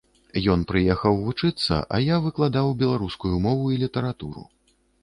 Ён прыехаў вучыцца, а я выкладаў беларускую мову і літаратуру.